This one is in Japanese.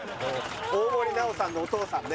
大森南朋さんのお父さんね。